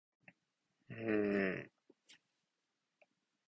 「勤勉」というのは、日本人が持っている最大の特性です。